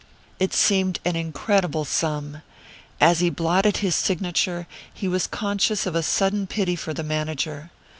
It seemed an incredible sum. As he blotted his signature he was conscious of a sudden pity for the manager.